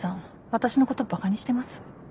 私のことバカにしてます？